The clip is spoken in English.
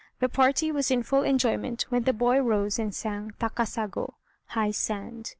The party was in full enjoyment when the boy rose and sang "Takasago" (high sand).